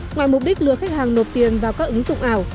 ngoài mục đích lừa khách hàng nộp tiền vào các ứng dụng ảo